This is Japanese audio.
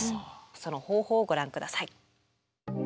その方法をご覧下さい。